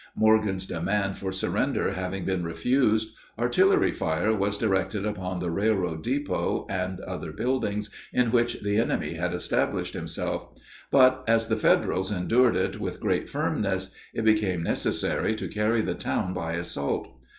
Morgan's demand for surrender having been refused, artillery fire was directed upon the railroad depot and other buildings in which the enemy had established himself; but, as the Federals endured it with great firmness, it became necessary to carry the town by assault.